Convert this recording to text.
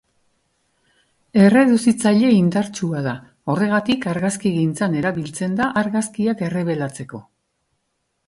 Erreduzitzaile indartsua da; horregatik, argazkigintzan erabiltzen da argazkiak errebelatzeko.